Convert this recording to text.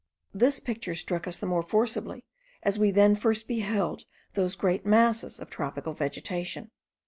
This picture struck us the more forcibly, as we then first beheld those great masses of tropical vegetation.